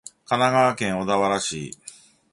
神奈川県小田原市